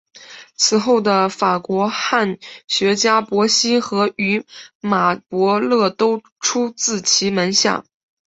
此后的法国汉学家伯希和与马伯乐都出自其门下。